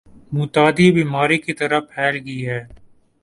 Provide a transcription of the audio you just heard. متعدی بیماری کی طرح پھیل گئی ہے